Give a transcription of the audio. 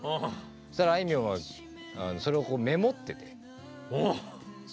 そしたらあいみょんはそれをメモってて。